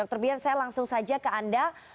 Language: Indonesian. oke dr brian saya langsung saja ke anda